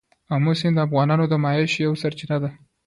آمو سیند د افغانانو د معیشت یوه سرچینه ده.